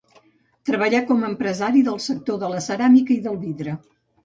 Treballà com a empresari del sector de la ceràmica i del vidre.